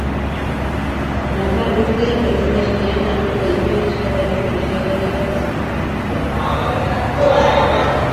Nafar guztiak berdintasunean hartuko dituen euskararen lege berri bat eskatu dute.